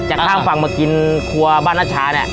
ข้ามฝั่งมากินครัวบ้านนัชชาเนี่ย